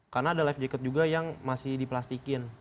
karena ada life jacket juga yang masih diplastikin